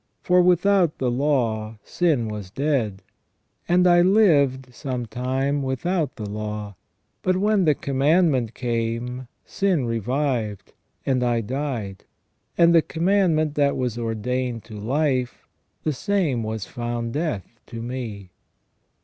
For without the law sin was dead. And I lived sometime without the law, but when the commandment came, sin revived, and I died : and the commandment that was ordained to life, the same was found death to me."